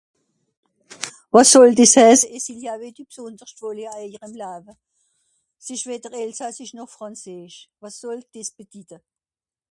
Que signifie votre question Ce n' est ni des l'alsacien, ni du français qu'est ce que ça signifie